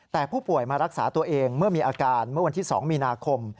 แต่ผู้ป่วยมารักษาตัวเองเมื่อมีอาการเมื่อวันที่๒มีนาคม